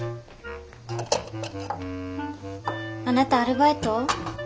あなたアルバイト？